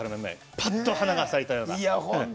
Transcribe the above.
ぱっと花が咲いたような。